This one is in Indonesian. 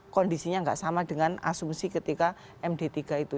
kondisinya tidak sama dengan asumsi ketika md tiga itu